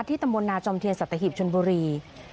ที่ตำรวจนาจอมเทียนสัตว์ตะหิบชนบุรี